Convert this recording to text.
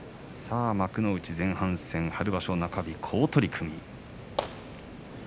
幕内前半戦、春場所中日、好取組。